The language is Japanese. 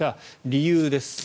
理由です。